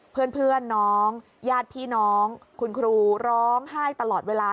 เพื่อนน้องญาติพี่น้องคุณครูร้องไห้ตลอดเวลา